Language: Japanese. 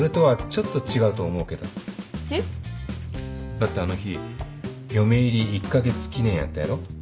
だってあの日嫁入り１カ月記念やったやろ？